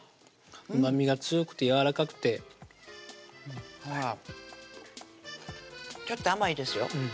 うまみが強くてやわらかくてちょっと甘いですよ